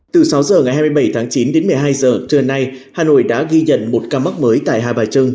từ sáu giờ ngày hai mươi bảy tháng chín đến một mươi hai giờ trưa nay hà nội đã ghi nhận một ca mắc mới tại hà bài trưng